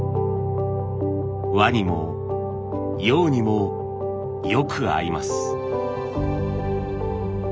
和にも洋にもよく合います。